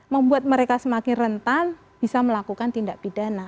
membuat mereka semakin rentan bisa melakukan tindak pidana